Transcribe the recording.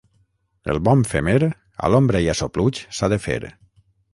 El bon femer a l'ombra i a sopluig s'ha de fer.